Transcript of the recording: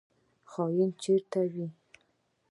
خاین چیرته وي؟